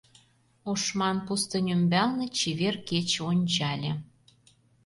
Ошман пустынь ӱмбалне чевер кече ончале.